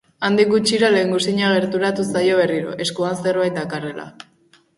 Handik gutxira lehengusina gerturatu zaio berriro, eskuan zerbait dakarrela.